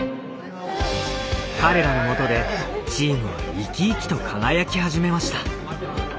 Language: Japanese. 彼らのもとでチームはイキイキと輝き始めました。